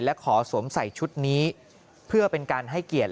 และขอสวมใส่ชุดนี้เพื่อเป็นการให้เกียรติ